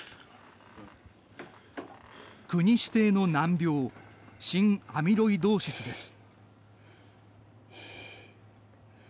国指定の難病心アミロイドーシスです。